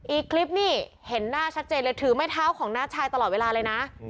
อีกคลิปนี้เห็นหน้าชัดเจนเลยถือไม้เท้าของน้าชายตลอดเวลาเลยนะ